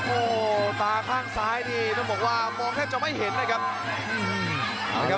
โอ้โหตาข้างซ้ายนี่ต้องบอกว่ามองแทบจะไม่เห็นนะครับ